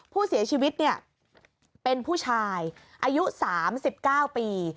ผู้เสียชีวิตเนี่ยเป็นผู้ชายอายุ๓๙ปี